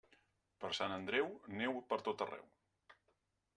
Per Sant Andreu, neu per tot arreu.